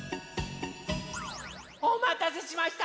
おまたせしました！